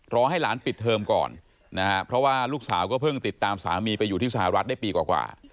ให้หลานปิดเทอมก่อนนะฮะเพราะว่าลูกสาวก็เพิ่งติดตามสามีไปอยู่ที่สหรัฐได้ปีกว่า